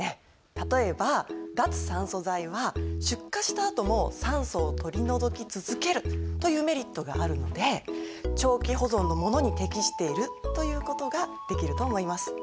例えば脱酸素剤は出荷したあとも酸素を取り除き続けるというメリットがあるので長期保存のものに適していると言うことができると思います。